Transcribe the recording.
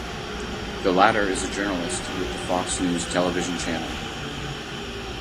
The latter is a journalist with the Fox News television channel.